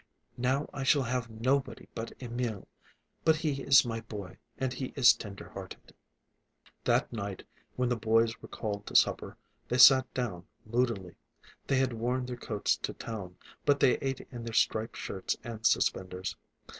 Now I shall have nobody but Emil. But he is my boy, and he is tender hearted." That night, when the boys were called to supper, they sat down moodily. They had worn their coats to town, but they ate in their striped shirts and suspenders.